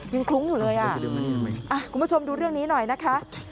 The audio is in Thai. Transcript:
คลุ้งอยู่เลยอ่ะคุณผู้ชมดูเรื่องนี้หน่อยนะคะ